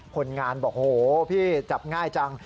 ผลงานบอกโอ้โฮพี่จับง่ายจัง